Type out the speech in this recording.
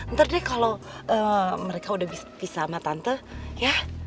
ntar deh kalau mereka udah bisa sama tante ya